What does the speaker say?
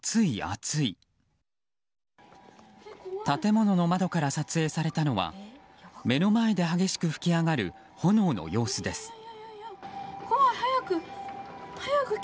建物の窓から撮影されたのは目の前で激しく噴き上がる炎の様子です。